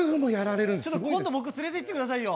ちょっと今度僕連れてってくださいよ。